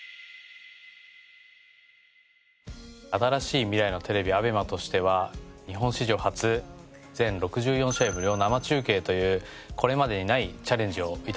新しい未来のテレビＡＢＥＭＡとしては日本史上初全６４試合を無料生中継というこれまでにないチャレンジを致します。